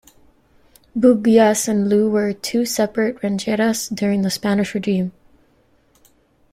Buguias and Loo were two separate "rancheria"s during the Spanish Regime.